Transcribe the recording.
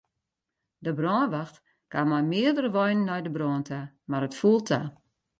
De brânwacht kaam mei meardere weinen nei de brân ta, mar it foel ta.